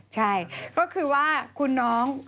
ใช่ก็คือว่าคุณน้อง